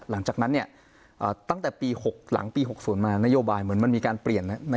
หลังจากนั้นตั้งแต่ปี๖หลังปี๖๐มานโยบายเหมือนมันมีการเปลี่ยน